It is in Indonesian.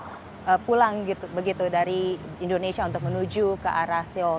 jadi saya tidak melihat banyaknya warga yang bisa menuju ke arah seoul